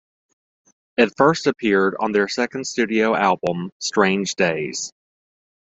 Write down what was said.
It first appeared on their second studio album "Strange Days".